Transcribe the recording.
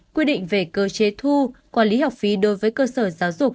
quy định về cơ chế thu quản lý học phí đối với cơ sở giáo dục